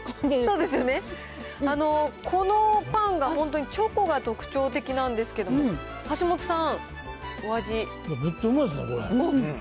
そうですよね、このパンが本当にチョコが特徴的なんですけれども、橋本さん、おめっちゃうまいですね、これね。